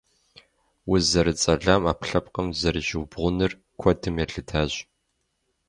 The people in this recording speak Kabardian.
Уз зэрыцӀалэм Ӏэпкълъэпкъым зэрыщиубгъуныр куэдым елъытащ.